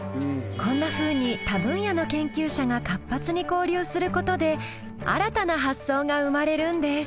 こんなふうに他分野の研究者が活発に交流する事で新たな発想が生まれるんです。